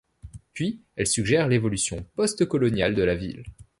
Puis elle suggère l'évolution post-coloniale de la ville.